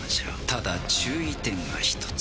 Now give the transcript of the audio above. ただ注意点が一つ。